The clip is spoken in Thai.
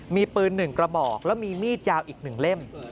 มีปืนหนึ่งกระบอกและมีมีดยาวอีกหนึ่งเล่ม